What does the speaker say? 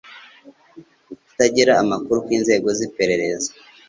Uku kutagira amakuru kw'inzego z'iperereza